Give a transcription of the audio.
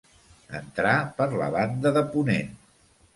Entrar per la banda de ponent.